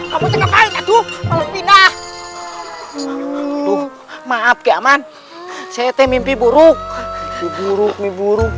kamu cekapain aduh malam pindah maaf keamanan sete mimpi buruk buruk buruk